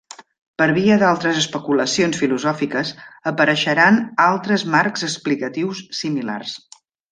Per via d'altres especulacions filosòfiques apareixeran altres marcs explicatius similars.